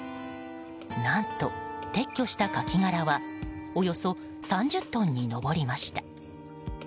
何と、撤去したカキ殻はおよそ３０トンに上りました。